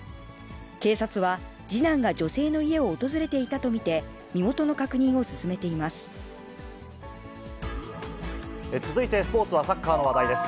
警察は次男が女性の家を訪れていたと見て、身元の確認を進めてい続いてスポーツはサッカーの話題です。